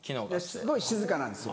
すごい静かなんですよ。